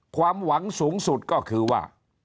ความหวังสูงสุดก็คือว่า